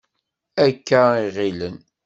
Akka i ɣilen.